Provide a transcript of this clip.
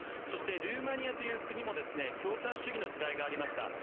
そしてルーマニアという国も共産主義の時代がありました。